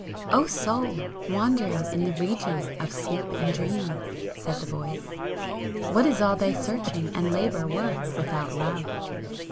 "O Soul, wandering in the region of sleep and dreams!" said the Voice, "What is all thy searching and labour worth without Love?